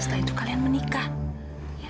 setelah itu kalian menikah